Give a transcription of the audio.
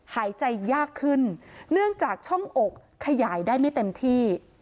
หายใจยากขึ้นเนื่องจากช่องอกขยายได้ไม่เต็มที่